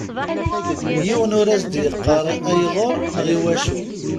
Yiwen ur as-d-yeqqar ayɣer neɣ iwacu.